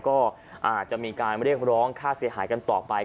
ก็อาจจะมีการเรียกร้องค่าเสียหายกันต่อไป